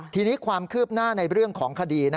ทีนี้ความคืบหน้าในเรื่องของคดี